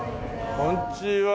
こんにちは。